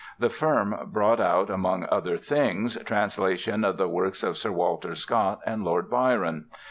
The firm brought out among other things translations of the works of Sir Walter Scott and Lord Byron.